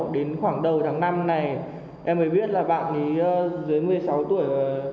đến khoảng đầu tháng năm này em mới biết là bạn ấy dưới một mươi sáu tuổi